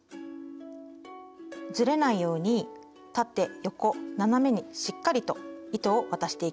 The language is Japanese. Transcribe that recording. ずれないように縦横斜めにしっかりと糸を渡していきます。